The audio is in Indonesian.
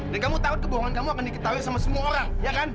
dan kamu takut kebohongan kamu akan diketahui sama semua orang ya kan